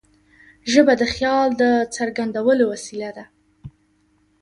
ژبه د خیال د څرګندولو وسیله ده.